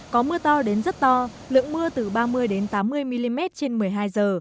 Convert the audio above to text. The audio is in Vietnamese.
có mưa to đến rất to lượng mưa từ ba mươi tám mươi mm trên một mươi hai giờ